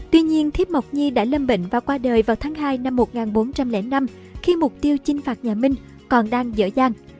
tuy nhiên thiếp mộc nhi đã lâm bệnh và qua đời vào tháng hai năm một nghìn bốn trăm linh năm khi mục tiêu chinh phạt nhà minh còn đang dở dàng